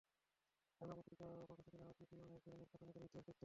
নানা পত্রিকা, অপ্রকাশিত নানা চিঠি, অনেক ধরনের খাটুনি করে ইতিহাস লিখতে হয়।